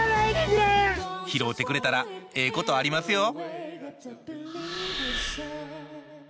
拾うてくれたらええことありますよ